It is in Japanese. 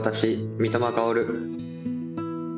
三笘薫。